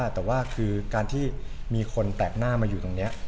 แต่ว่าการที่คนแตกหน้ามาอยู่